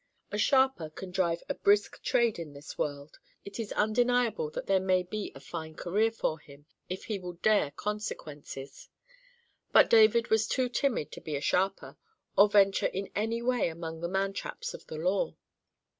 A sharper can drive a brisk trade in this world: it is undeniable that there may be a fine career for him, if he will dare consequences; but David was too timid to be a sharper, or venture in any way among the mantraps of the law.